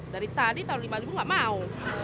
dari tadi tau lima ribu gak mau